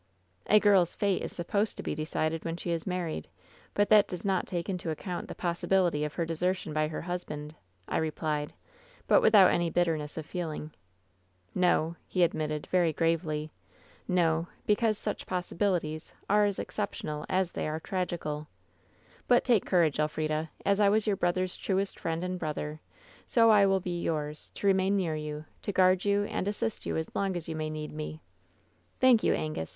" 'A girl's fate is supposed to be decided when she is married, but that does not take into account the pos sibility of her desertion by her husband,' I replied, but without any bitterness of feeling. ^' 'No,' he admitted, very gravely — 'no, because such ■/v,/ '"^^.'■ X^v t »A"'y *^''" x \y' 186 WHEN SHADOWS DIE possibilities are as exceptional as they are tragical. But take coura^, Elfrida. As I was your brother's truest friend and brother, so I will be yours, to remain near you, to ^ard you and assist you as long as you may need me/ " 'Thank you, Angus